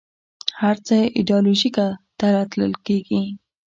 هر څه ایدیالوژیکه تله تلل کېدل